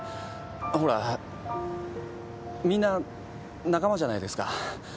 ほらみんな仲間じゃないですか。